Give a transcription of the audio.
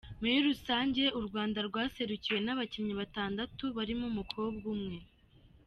Muri rusange u Rwanda rwaserukiwe n’abakinnyi batandatu barimo umukobwa umwe.